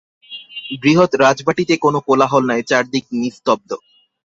বৃহৎ রাজবাটীতে কোনো কোলাহল নাই, চারিদিক নিস্তব্ধ।